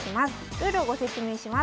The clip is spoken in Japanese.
ルールをご説明します。